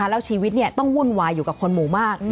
แล้วชีวิตต้องวุ่นวายอยู่กับคนหมู่มาก